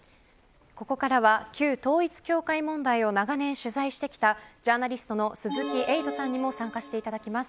ここからは、旧統一教会問題を長年取材してきたジャーナリストの鈴木エイトさんにも参加していただきます。